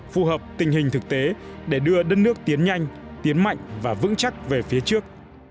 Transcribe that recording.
phù hợp tình hình thực tế để đưa đất nước tiến nhanh tiến mạnh và vững chắc về phía trước